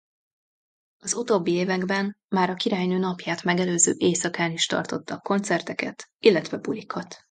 Az utóbbi években már a Királynő Napját megelőző éjszakán is tartottak koncerteket illetve bulikat.